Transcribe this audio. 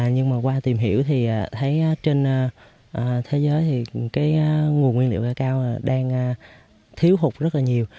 nhưng mà qua tìm hiểu thì thấy trên thế giới thì cái nguồn nguyên liệu cao đang thiếu hụt rất là nhiều